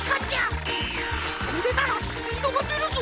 これならスピードがでるぞ！